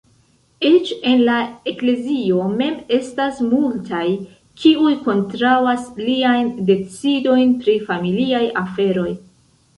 Eĉ en la eklezio mem estas multaj, kiuj kontraŭas liajn decidojn pri familiaj aferoj.